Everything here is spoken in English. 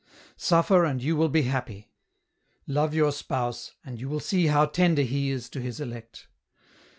" Suffer and you will be happy ; love your spouse, and you will see how tender He is to His elect.